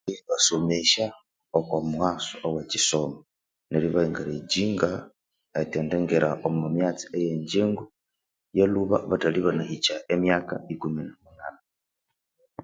Eribasomesya okwamughaso owe kisomo neri ba encouraging eritendigira omo myatsi eyenjigo yalhuba bathalhi bahika myaka ikumi namunani